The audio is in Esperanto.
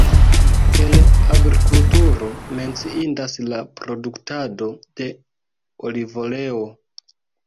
El agrikulturo menciindas la produktado de olivoleo.